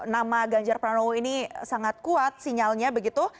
nama ganjar pranowo ini sangat kuat sinyalnya begitu